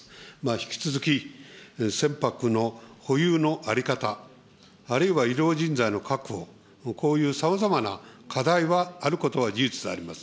引き続き船舶の保有の在り方、あるいは医療人材の確保、こういうさまざまな課題はあることは事実であります。